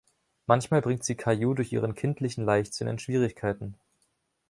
Manchmal bringt sie Caillou durch ihren kindlichen Leichtsinn in Schwierigkeiten.